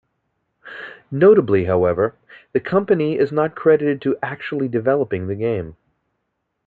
Notably however, the company is not credited to actually developing the game.